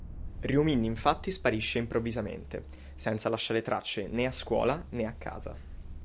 Ryu Min infatti sparisce improvvisamente, senza lasciare tracce né a scuola né a casa.